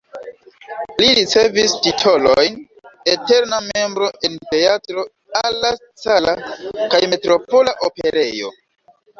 Li ricevis titolojn "eterna membro" en Teatro alla Scala kaj Metropola Operejo.